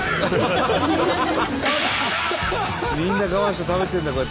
みんな我慢して食べてるんだこうやって。